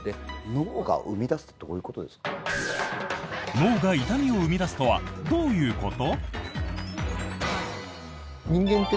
脳が痛みを生み出すとはどういうこと？